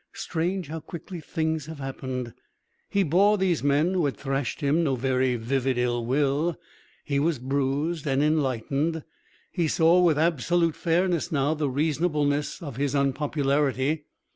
Strange how quickly things had happened! He bore these men who had thrashed him no very vivid ill will. He was bruised and enlightened. He saw with absolute fairness now the reasonableness of his unpopularity.